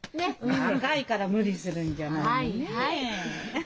若いから無理するんじゃないの。ねえ？